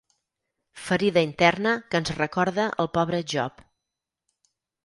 Ferida interna que ens recorda el pobre Job.